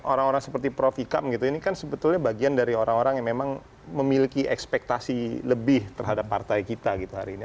orang orang seperti prof ikam gitu ini kan sebetulnya bagian dari orang orang yang memang memiliki ekspektasi lebih terhadap partai kita gitu hari ini